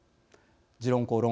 「時論公論」